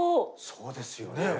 そうですよね。